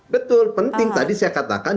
betul penting tadi saya katakan